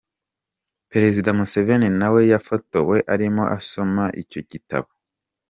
Perezida Museveni na we yafotowe arimo asoma icyo gitabo.